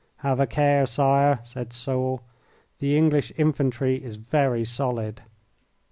"Have a care, Sire," said Soult. "The English infantry is very solid."